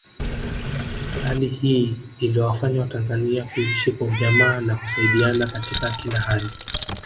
Hali hii iliwafanya watanzania kuishi kwa ujamaa na kusaidiana katika kila hali